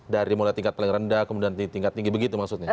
dari mulai tingkat paling rendah kemudian tingkat tinggi begitu maksudnya